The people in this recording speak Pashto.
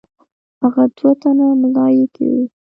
هغه دوه تنه ملایکې وې.